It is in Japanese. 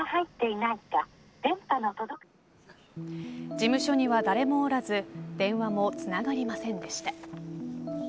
事務所には誰もおらず電話もつながりませんでした。